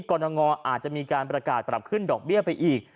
รณงอาจจะมีการประกาศปรับขึ้นดอกเบี้ยไปอีก